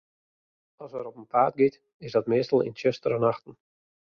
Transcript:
As er op 'en paad giet, is dat meastal yn tsjustere nachten.